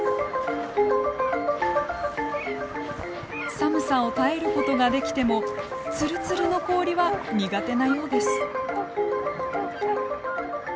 寒さを耐えることができてもツルツルの氷は苦手なようです。